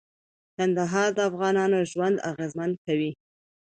کندهار د افغانانو ژوند اغېزمن کوي.